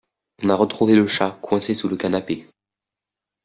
On a retrouvé le chat, coincé sous le canapé.